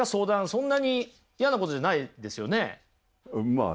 そんなに嫌なことじゃないですよね。